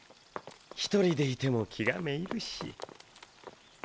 一人でいても気が滅入るし。